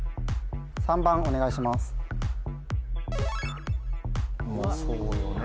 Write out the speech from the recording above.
３番お願いしますそうよね